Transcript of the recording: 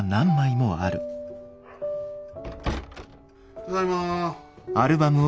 ・ただいま。